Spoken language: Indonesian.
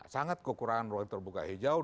sangat kekurangan ruang terbuka hijau